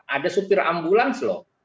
ada supir ambulans loh